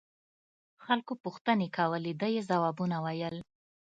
خلقو پوښتنې کولې ده يې ځوابونه ويل.